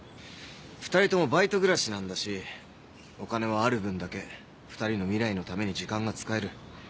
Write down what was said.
２人ともバイト暮らしなんだしお金はある分だけ２人の未来のために時間が使える。